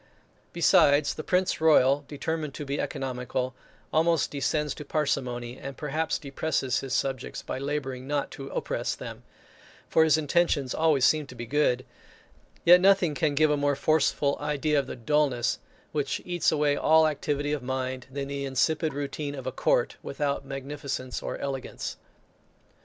Besides, the Prince Royal, determined to be economical, almost descends to parsimony; and perhaps depresses his subjects, by labouring not to oppress them; for his intentions always seem to be good yet nothing can give a more forcible idea of the dulness which eats away all activity of mind, than the insipid routine of a court, without magnificence or elegance.